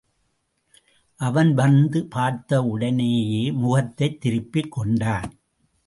அவன் வந்து பார்த்தவுடனேயே முகத்தைத் திருப்பிக் கொண்டான்.